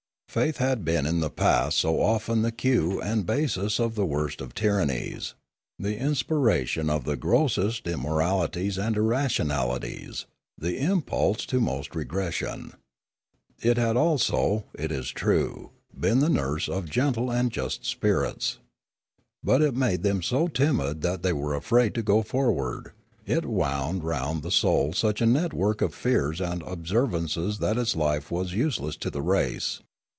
Faith had been in the past so often the cue and basis of the worst of tyrannies, the inspira tion of the grossest immoralities and irrationalities, the impulse to most retrogression. It had also, it is true, been the nurse of gentle and just spirits. But it made them so timid that they were afraid to go forward; it wound round the soul such a network of fears and observances that its life was useless to the race.